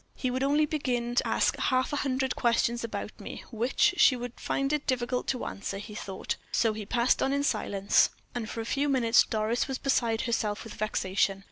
"He would only begin to ask half a hundred questions about me, which she would find it difficult to answer," he thought; so he passed on in silence, and for a few minutes Doris was beside herself with vexation.